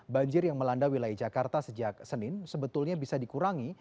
banjir yang melanda wilayah jakarta sejak senin sebetulnya bisa dikurangi